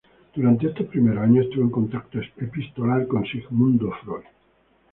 Durante esos primeros años estuvo en contacto epistolar con Sigmund Freud.